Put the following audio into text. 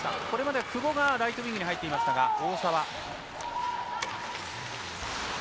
これまでは久保がライトウイングに入ってましたが。